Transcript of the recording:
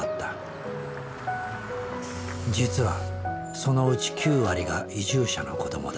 実はそのうち９割が移住者の子どもだ。